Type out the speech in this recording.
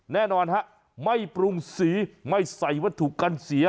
แน่นอนฮะไม่ปรุงสีไม่ใส่วัตถุกันเสีย